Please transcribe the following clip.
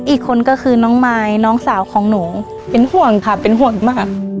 อีกคนก็คือน้องมายน้องสาวของหนูเป็นห่วงค่ะเป็นห่วงมาก